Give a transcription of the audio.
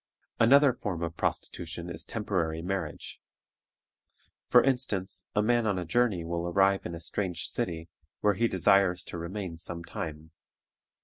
Another form of prostitution is temporary marriage. For instance, a man on a journey will arrive in a strange city, where he desires to remain some time.